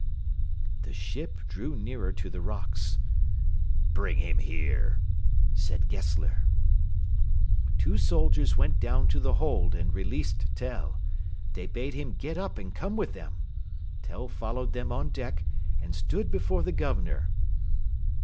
The ship drew nearer to the rocks. "Bring him here," said Gessler. Two soldiers went down to the hold and released Tell. They bade him get up and come with them. Tell followed them on deck, and stood before the Governor.